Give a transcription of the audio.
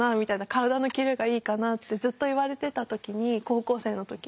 「体のキレがいいかな」ってずっと言われてた時に高校生の時。